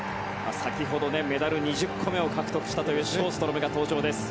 先ほど、メダル２０個目を獲得したというショーストロムが登場です。